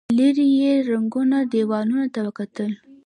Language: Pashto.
له ليرې يې ړنګو دېوالونو ته وکتل.